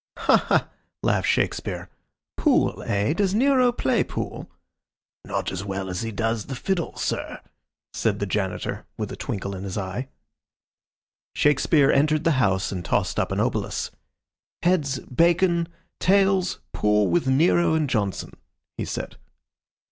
"Ha ha!" laughed Shakespeare. "Pool, eh? Does Nero play pool?" "Not as well as he does the fiddle, sir," said the Janitor, with a twinkle in his eye. Shakespeare entered the house and tossed up an obolus. "Heads Bacon; tails pool with Nero and Johnson," he said.